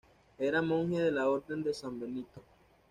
Era monje de la Orden de San Benito.